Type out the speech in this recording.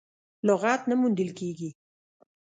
لغت نه موندل کېږي.